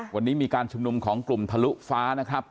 วันนี้มีการชุมนุมของกลุ่มทะลุฟ้านะครับ